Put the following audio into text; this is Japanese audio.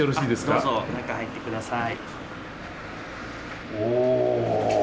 どうぞ、中入ってください。